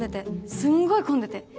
すんごい混んでて。